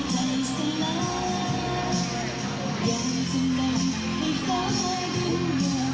คนรักเราก็ไม่เขาเรากลับจริงไม่เขล่าใจ